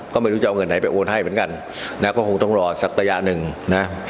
ก็ไม่รู้จะเอาเงินไหนไปโอนให้เหมือนกันนะก็คงต้องรอสักระยะหนึ่งนะ